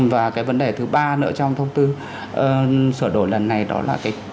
và cái vấn đề thứ ba nữa trong thông tư sửa đổi lần này đó là cái